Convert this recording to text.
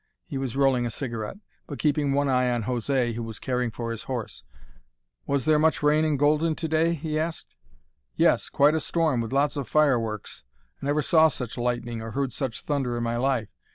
He was rolling a cigarette, but keeping one eye on José, who was caring for his horse. "Was there much rain in Golden to day?" he asked. "Yes; quite a storm, with lots of fireworks; I never saw such lightning or heard such thunder in my life.